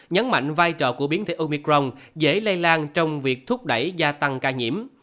nhấn mạnh vai trò của biến thể omicron dễ lây lan trong việc thúc đẩy gia tăng ca nhiễm